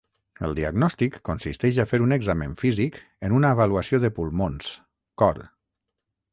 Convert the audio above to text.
El diagnòstic consisteix a fer un examen físic en una avaluació de pulmons, cor.